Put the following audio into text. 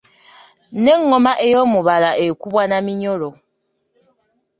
N'engoma ey’omubala ekubwa na minyolo.